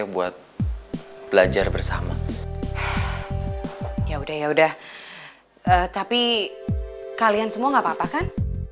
buat belajar bersama ya udah ya udah tapi kalian semua ngapapa kan